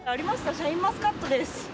シャインマスカットです。